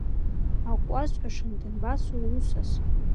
Ак уасҳәашан, данбацо усас?